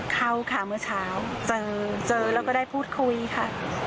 เข้าค่ะเมื่อเช้าเจอแล้วก็ได้พูดคุยค่ะ